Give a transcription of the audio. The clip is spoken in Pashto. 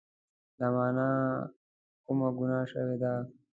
له مانه کومه ګناه شوي ده